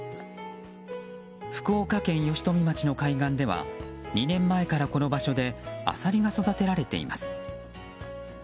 福岡県吉富町の海岸では２年前から、この場所でアサリが育てられています。